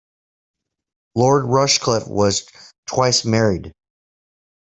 Lord Rushcliffe was twice married.